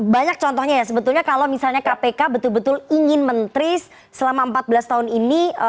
banyak contohnya ya sebetulnya kalau misalnya kpk betul betul ingin mentris selama empat belas tahun ini